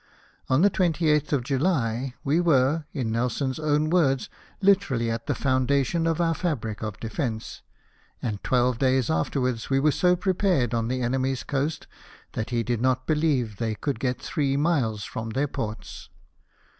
On the 28th of July we were, in Nelson's own words, literally at the foundation of our fabric of defence ; and twelve days afterwards we were so prepared on the enemy's coast, PREPARATIONS FOR DEFENCE. 263 that he did not beheve they could get three miles from their ports.